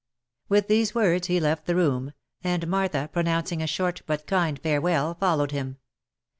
With these words he left the room, and Martha pronouncing a short but kind farewell, followed him.